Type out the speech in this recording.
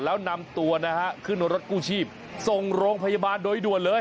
แล้วนำตัวนะฮะขึ้นรถกู้ชีพส่งโรงพยาบาลโดยด่วนเลย